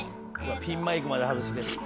ピンマイクまで外して。